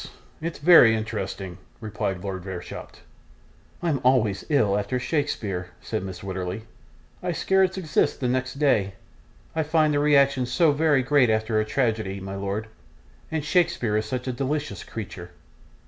It's very interesting,' replied Lord Verisopht. 'I'm always ill after Shakespeare,' said Mrs. Wititterly. 'I scarcely exist the next day; I find the reaction so very great after a tragedy, my lord, and Shakespeare is such a delicious creature.